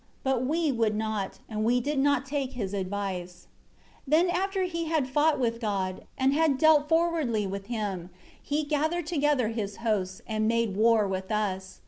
But we would not, and we did not take his advice. 12 Then after he had fought with God, and had dealt forwardly with Him, he gathered together his hosts, and made war with us.